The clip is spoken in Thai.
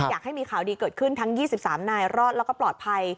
อยากให้มีข่าวดีเกิดขึ้นทั้ง๒๓นายรอดแล้วก็ปลอดภัย